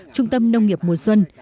trung tâm nông nghiệp mùa xuân